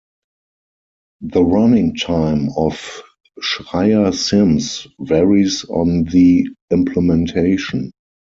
The running time of Schreier-Sims varies on the implementation.